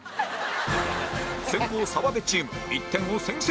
先攻澤部チーム１点を先制